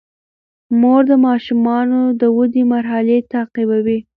مور د ماشومانو د ودې مرحلې تعقیبوي.